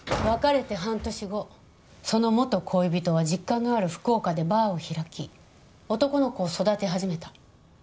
別れて半年後その元恋人は実家のある福岡でバーを開き男の子を育て始めた。